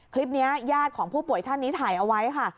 ญาติของผู้ป่วยท่านนี้ถ่ายเอาไว้ค่ะ